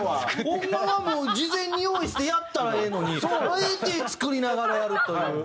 ホンマはもう事前に用意してやったらええのにあえて作りながらやるという。